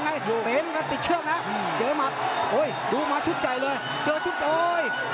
อ๋อคันกันเลยเอ้ยเจอหมัดโอ้ยดูมาชุดใจเลยเจอชุดโอ้ย